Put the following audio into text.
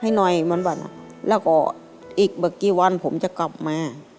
ให้หน่อยวันแล้วก็อีกแบบกี่วันผมจะกลับมา